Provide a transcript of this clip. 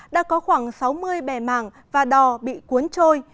đã có khoảng sáu mươi bè mảng và đò bị cuốn trôi